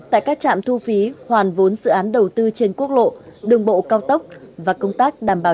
tại các trạm thu phí hoàn vốn dự án đầu tư trên quốc lộ đường bộ cao tốc và công tác đảm bảo